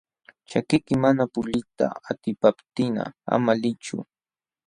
Ćhakiyki mana puliyta atipaptinqa ama liychu.